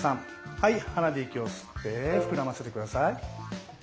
はい鼻で息を吸って膨らませて下さい。